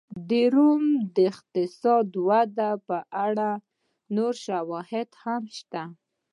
د روم د اقتصادي ودې په اړه نور شواهد هم شته